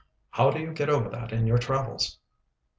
How do you get over that in your travels?"